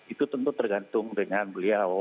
itu tentu tergantung dengan beliau